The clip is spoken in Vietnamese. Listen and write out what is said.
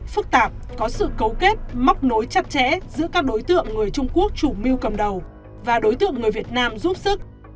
phức tạp có sự cấu kết móc nối chặt chẽ giữa các đối tượng người trung quốc chủ mưu cầm đầu và đối tượng người việt nam giúp sức